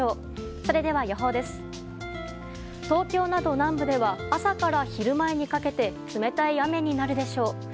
東京など南部では朝から昼前にかけて冷たい雨になるでしょう。